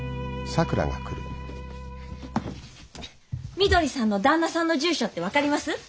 みどりさんの旦那さんの住所って分かります？